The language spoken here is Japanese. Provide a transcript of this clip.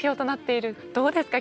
どうですか？